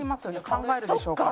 考えるでしょうから。